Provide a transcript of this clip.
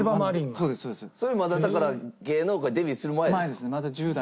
それまだだから芸能界デビューする前ですか？